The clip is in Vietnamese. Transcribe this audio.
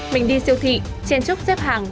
mình đi siêu thị trên chúc xếp hàng